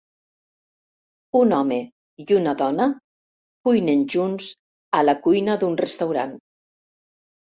Un home i una dona cuinen junts a la cuina d'un restaurant.